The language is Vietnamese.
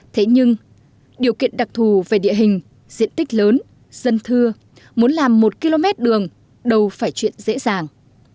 thế nhưng điều kiện đặc thù về địa hình diện tích lớn dân thưa muốn làm một km đường đâu phải chuyện dễ dàng